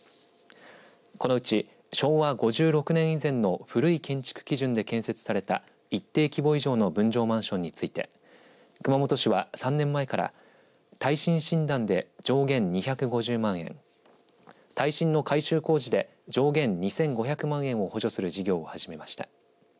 このうち昭和５６年以前の古い建築基準で建設された一定規模以上の分譲マンションについて熊本市は、３年前から耐震診断で上限２５０万円耐震の改修工事で上限２５００万円を補助する事業を始めました。